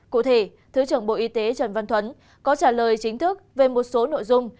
cụ thể thứ trưởng bộ y tế trần văn thuấn có trả lời chính thức về một số nội dung